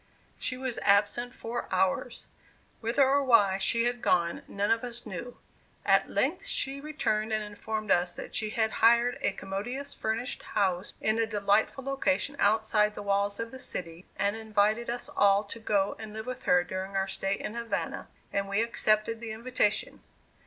She was absent four hours. Whither or why she had gone, none of us knew. At length she returned and informed us that she had hired a commodious furnished house in a delightful location outside the walls of the city, and invited us all to go and live with her during our stay in Havana, and we accepted the invitation.